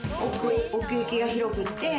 奥行きが広くて。